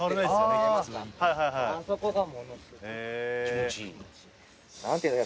気持ちいいんだ。